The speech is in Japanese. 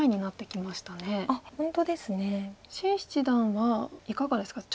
謝七段はいかがですか？